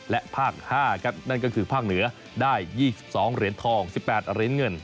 และภาค๕ครับนั่นก็คือภาคเหนือได้๒๒เหรียญทอง๑๘เหรียญเงิน